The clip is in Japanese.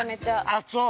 ◆あっ、そう？